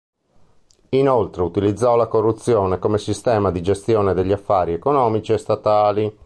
Inoltre utilizzò la corruzione come sistema di gestione degli affari economici e statali.